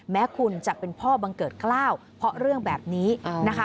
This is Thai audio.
แม้คุณจะเป็นพ่อบังเกิดกล้าวเพราะเรื่องแบบนี้นะคะ